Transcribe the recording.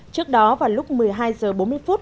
trước đó vào lúc một mươi hai h bốn mươi phút